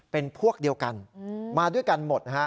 เป็นพวกเดียวกันมาด้วยกันหมดนะฮะ